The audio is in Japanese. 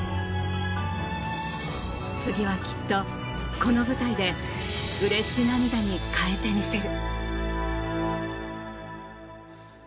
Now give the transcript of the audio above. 次はきっと、この舞台でうれし涙に変えてみせる。